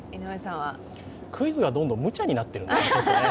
クイズがどんどんむちゃになってるんですよね。